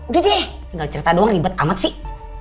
udah deh tinggal cerita doang ribet amat sih